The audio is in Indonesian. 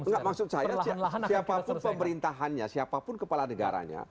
enggak maksud saya siapapun pemerintahannya siapapun kepala negaranya